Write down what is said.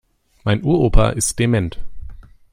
Mein Uropa ist dement.